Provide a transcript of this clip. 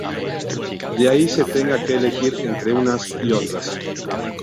De ahí que se tenga que elegir entre unas y otras.